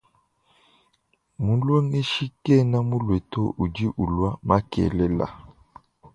Mulongeshi kena mulue to udi ulua makelela.